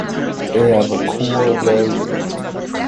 They have a core variant.